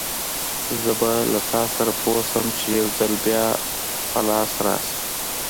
زه به له تاسره پوه شم، چې يوځل په لاس راشې!